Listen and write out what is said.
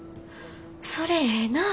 それええな。